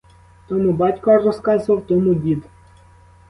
Тому батько розказував, тому дід.